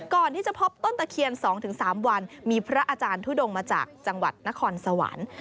ก่อนที่จะพบต้นตะเคียน๒๓วันมีพระอาจารย์ทุดงมาจากจังหวัดนครสวรรค์